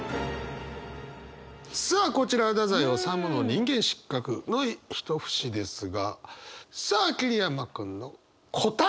さあこちらは太宰治の「人間失格」の一節ですがさあ桐山君の答え！